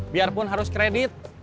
biarpun harus kredit